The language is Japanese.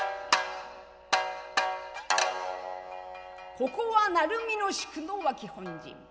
ここは鳴海の宿の脇本陣。